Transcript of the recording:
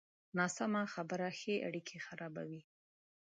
ناسمه خبره ښې اړیکې خرابوي.